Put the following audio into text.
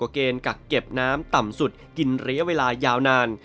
เก็บน้ำต่ำสุดกินเลี้ยวเวลายาวนาน